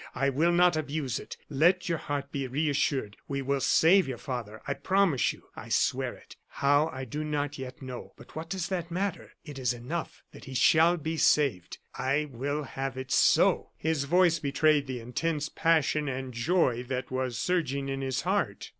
I will not abuse it. Let your heart be reassured. We will save your father, I promise you I swear it. How, I do not yet know. But what does that matter? It is enough that he shall be saved. I will have it so!" His voice betrayed the intense passion and joy that was surging in his heart.